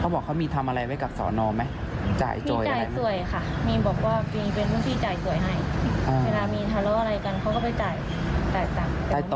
เขาบอกว่ามีทำอะไรให้ไปกับสรศนไหมมีจ่ายสวยมีบอกว่าเราเป็นพี่กลุ่มจ่ายสวยไหม